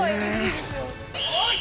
おい！